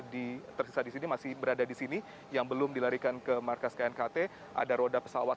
di tersisa di sini masih berada di sini yang belum dilarikan ke markas knkt ada roda pesawat